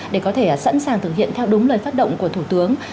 để có thể sẵn sàng thực hiện theo đúng lời phát động của thủ tướng